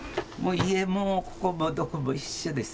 家もここも、どこも一緒です。